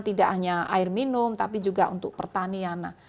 tidak hanya air minum tapi juga untuk pertanian